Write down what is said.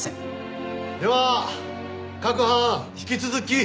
では各班引き続き。